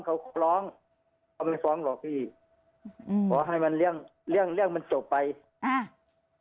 เขาฟ้องเขาไม่ฟ้องหรอกพี่อืมขอให้มันเรื่องเรื่องมันจบไปอ่า